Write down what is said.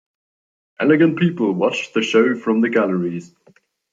Elegant people watched the show from the galleries.